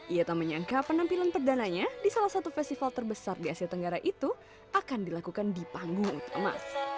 ia tak menyangka penampilan perdananya di salah satu festival terbesar di asia tenggara itu akan dilakukan di panggung utama